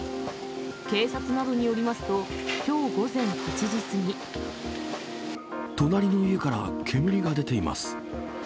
警察などによりますと、隣の家から煙が出ています。